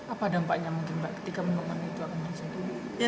apa dampaknya ketika membangun itu